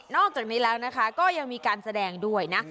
อกจากนี้แล้วนะคะก็ยังมีการแสดงด้วยนะ